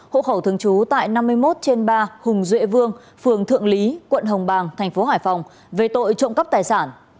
hộ khẩu thường trú tại năm mươi một trên ba hùng duệ vương phường thượng lý quận hồng bàng thành phố hải phòng về tội trộm cắp tài sản